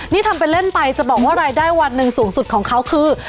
นี่ทำเป็นเล่นไปจะบอกว่ารายได้วันหนึ่งสูงสุดของเขาคือ